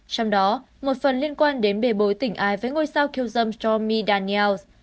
trong đó một phần liên quan đến bề bối tỉnh ai với ngôi sao kiêu dâm stormy daniels